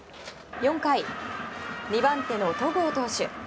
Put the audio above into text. ４回、２番手の戸郷投手。